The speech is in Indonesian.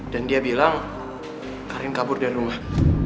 dan dia bilang karin kabur dari rumah